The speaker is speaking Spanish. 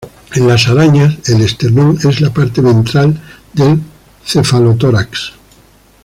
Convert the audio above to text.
En las arañas, el esternón es la parte ventral del cefalotórax.